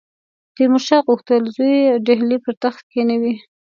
تیمورشاه غوښتل زوی ډهلي پر تخت کښېنوي.